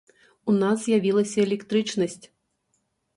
У нас з'явілася электрычнасць!